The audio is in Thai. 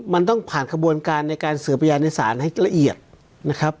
มันต้องผ่านขบวนการในการสืบพยานในศาลให้ละเอียดนะครับ